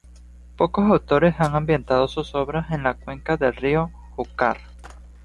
Pocos autores han ambientado sus obras en la cuenca del río Júcar.